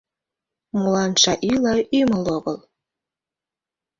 Молан шаӱла, ӱмыл огыл?